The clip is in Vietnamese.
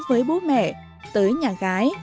với bố mẹ tới nhà gái